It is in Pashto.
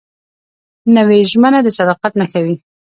نوې ژمنه د صداقت نښه وي